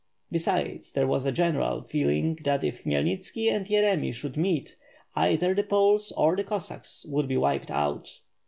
Besides there was a general feeling that if Khmyelnitski and Yeremy should meet, either the Poles or the Cossacks would be wiped out.